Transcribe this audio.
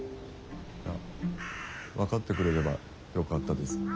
いや分かってくれればよかったです。